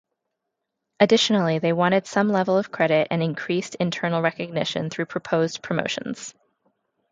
Additionally, they wanted some level of credit and increased internal recognition through proposed promotions.